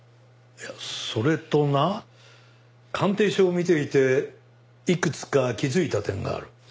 それとな鑑定書を見ていていくつか気づいた点がある。